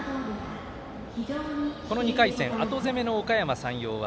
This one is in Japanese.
この２回戦、後攻めのおかやま山陽は